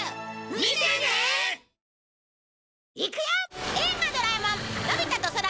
見てね！何？